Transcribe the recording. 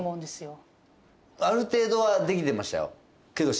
ある程度はできてましたよけど。